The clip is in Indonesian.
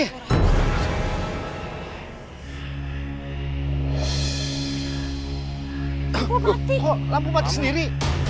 aku mati kok lampu mati sendiri